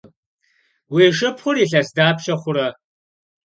Vui şşıpxhur yilhes dapşe xhure?